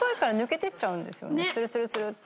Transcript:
ツルツルツルッて。